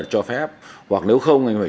cho phép hoặc nếu không anh phải